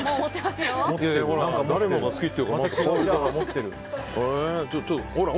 ほら、誰もが好きっていうから。